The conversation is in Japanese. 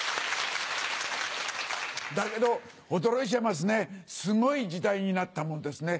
だけど驚いちゃいますねすごい時代になったもんですね。